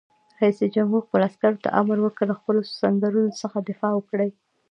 رئیس جمهور خپلو عسکرو ته امر وکړ؛ له خپلو سنگرونو څخه دفاع وکړئ!